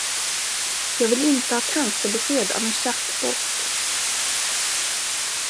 Jag vill inte ha cancerbesked av en chattbot.